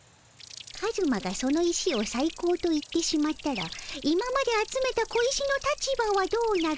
カズマがその石をさい高と言ってしまったら今まで集めた小石の立場はどうなるのじゃ？